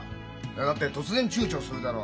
いやだって突然ちゅうちょするだろ？